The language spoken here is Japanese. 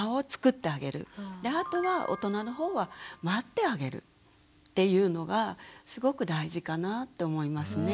あとは大人の方は待ってあげるっていうのがすごく大事かなと思いますね。